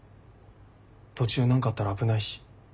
途中何かあったら危ないし。